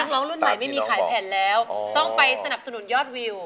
เดี๋ยวนี้น้องร้องรุ่นใหม่ไม่มีขายแผ่นแล้วต้องไปสนับสนุนยอดวิว